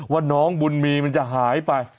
ว่าน้องบุญมีมันจะหายไป